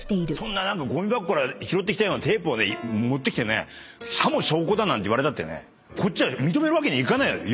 ごみ箱から拾ってきたようなテープを持ってきてねさも証拠だなんて言われたってこっちは認めるわけにいかない。